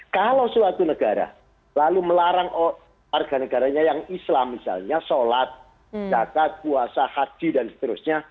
kalau suatu negara lalu melarang warga negaranya yang islam misalnya sholat zakat puasa haji dan seterusnya